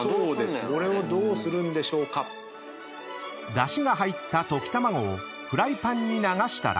［だしが入った溶き卵をフライパンに流したら］